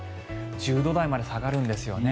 １０度台まで下がるんですよね。